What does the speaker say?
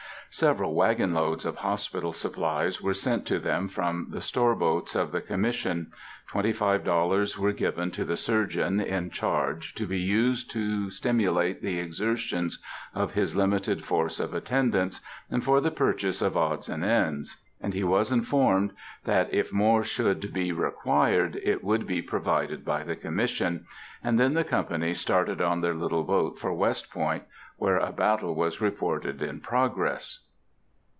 Several wagon loads of hospital supplies were sent to them from the store boats of the Commission; twenty five dollars were given to the surgeon in charge, to be used to stimulate the exertions of his limited force of attendants, and for the purchase of odds and ends, and he was informed that, if more should be required, it would be provided by the Commission, and then the company started on their little boat for West Point, where a battle was reported in progress.